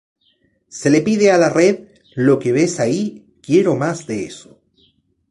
Se le pide a la red: "lo que ves ahí, quiero más de eso".